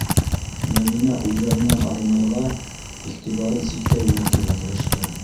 Мәҙинә уйҙарынан арынырға, иғтибарын ситкә йүнәлтергә тырышты.